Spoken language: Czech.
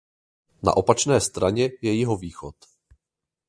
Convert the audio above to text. Na opačné straně je jihovýchod.